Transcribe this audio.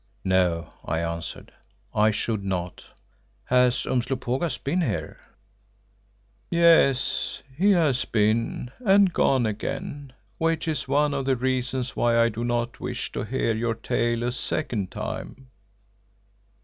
"No," I answered, "I should not. Has Umslopogaas been here?" "Yes, he has been and gone again, which is one of the reasons why I do not wish to hear your tale a second time."